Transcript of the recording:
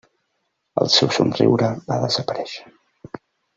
El seu somriure va desaparèixer.